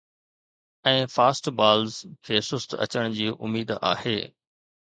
۽ fast balls کي سست اچڻ جي اميد آهي